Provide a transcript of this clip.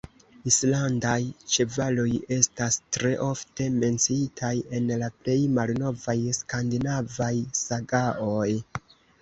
Islandaj ĉevaloj estas tre ofte menciitaj en la plej malnovaj skandinavaj sagaoj.